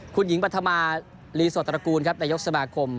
คุณหญิงปัฒมารีสวรรค์ตระกูลในยกสมาคม